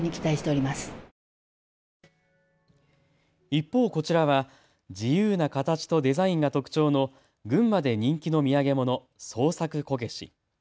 一方、こちらは自由な形とデザインが特徴の群馬で人気の土産物、創作こけし。